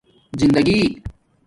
زندگی